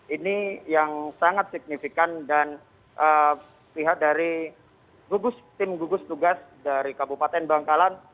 ini yang sangat signifikan dan pihak dari tim gugus tugas dari kabupaten bangkalan